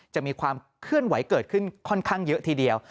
จะมีความเคลื่อนไหวเกิดขึ้นค่อนข้างเยอะทีเดียว